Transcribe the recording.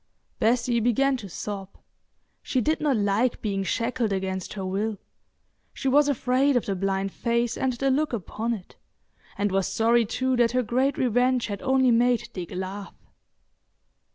Bessie began to sob. She did not like being shackled against her will; she was afraid of the blind face and the look upon it, and was sorry too that her great revenge had only made Dick laugh.